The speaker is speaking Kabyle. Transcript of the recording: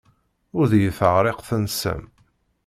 Ur d iyi-teɛṛiq tansa-m.